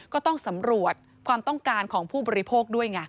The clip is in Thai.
ก็ต้องสำรวจความต้องการของผู้บริโภคด้วยไง